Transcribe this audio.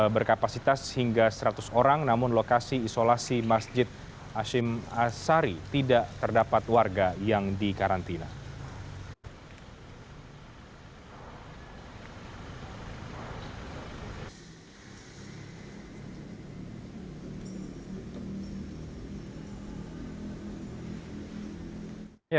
berkapasitas hingga seratus orang namun lokasi isolasi masjid hashim asari tidak terdapat warga yang dikarantina